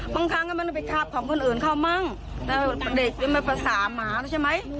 บางครั้งมันไปคาบของคนอื่นเข้ามั่งเด็กมันภาษาหมาแล้วใช่ไหม